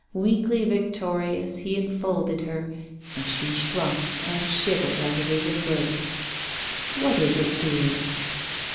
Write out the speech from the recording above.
Weakly victorious, he enfolded her, and she shrunk and shivered out of his embrace. "What is it, dear?"